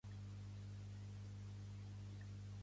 Com a juvenils, mengen diatomees i larves i ous de copèpodes.